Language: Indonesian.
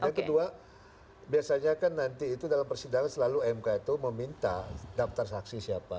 dan kedua biasanya kan nanti itu dalam persidangan selalu emk itu meminta daftar saksi siapa